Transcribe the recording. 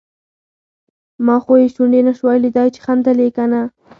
ما خو یې شونډې نشوای لیدای چې خندل یې که نه.